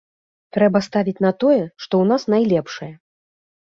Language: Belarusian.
Трэба ставіць на тое, што ў нас найлепшае.